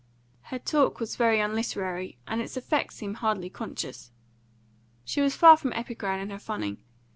Her talk was very unliterary, and its effect seemed hardly conscious. She was far from epigram in her funning.